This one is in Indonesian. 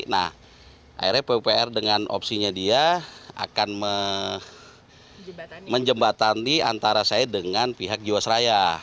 nah akhirnya pupr dengan opsinya dia akan menjembatani antara saya dengan pihak jiwasraya